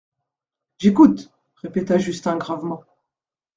J'écoute, répéta Justin gravement.